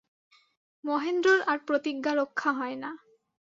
মহেন্দ্রের আর প্রতিজ্ঞা রক্ষা হয় না।